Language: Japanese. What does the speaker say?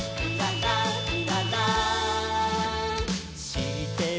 「しってる？